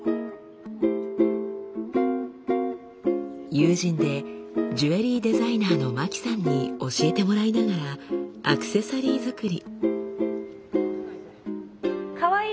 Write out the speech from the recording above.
友人でジュエリーデザイナーの真希さんに教えてもらいながらアクセサリー作り。